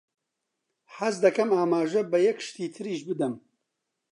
حەز دەکەم ئاماژە بە یەک شتی تریش بدەم.